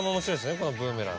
このブーメラン。